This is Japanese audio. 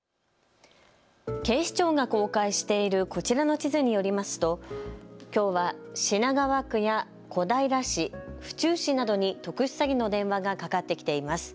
警視庁が公開しているこちらの地図によりますときょうは品川区や小平市、府中市などに特殊詐欺の電話がかかってきています。